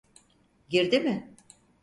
Girdi mi?